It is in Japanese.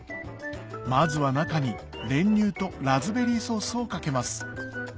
まずは中に練乳とラズベリーソースをかけます